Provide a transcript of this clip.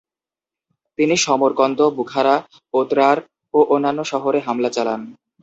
তিনি Samarkand, Bukhara, Otrar ও অন্যান্য শহরে হামলা চালান।